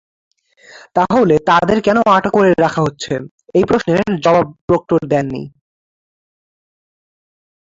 তাহলে তাঁদের কেন আটক করে রাখা হচ্ছে—এই প্রশ্নের জবাব প্রক্টর দেননি।